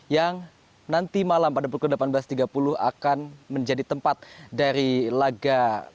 yang nanti malam pada pukul delapan belas tiga puluh akan menjadi tempat dari laga